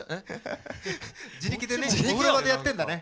自力でねお風呂場でやってんだね。